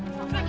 saya nggak tahu